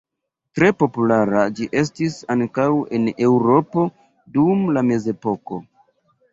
Tre populara ĝi estis ankaŭ en Eŭropo dum la mezepoko.